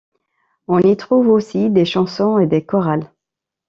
On y trouve aussi des chansons et des chorals.